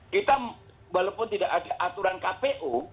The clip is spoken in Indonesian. kita walaupun tidak ada aturan kpu